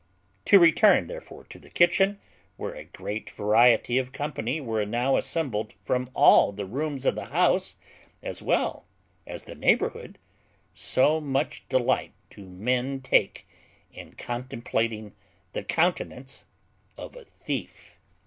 To return therefore to the kitchen, where a great variety of company were now assembled from all the rooms of the house, as well as the neighbourhood: so much delight do men take in contemplating the countenance of a thief.